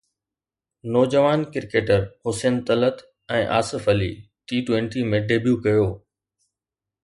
نوجوان cricketer Hussain Talat ۽ Asif Ali T twenty ۾ debut ڪيو